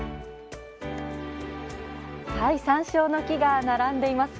山椒の木が並んでいます。